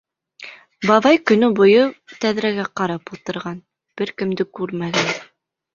Бабай көнө буйы тәҙрәгә ҡарап ултырған, бер кемде күрмәгән!